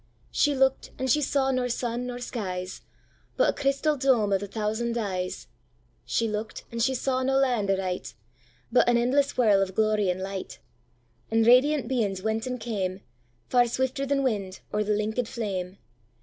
She look'd, and she saw nor sun nor skies, But a crystal dome of a thousand dyes:She look'd, and she saw nae land aright, But an endless whirl of glory and light:And radiant beings went and came, Far swifter than wind, or the linkéd flame.